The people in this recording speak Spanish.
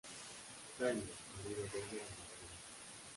Jaime, marido de ella y Martín.